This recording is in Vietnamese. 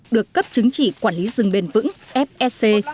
được cấp chứng chỉ quản lý rừng bền vững fsc